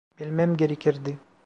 Bilmem gerekirdi.